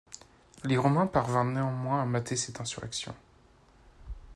Les Romains parvinrent néanmoins à mâter cette insurrection.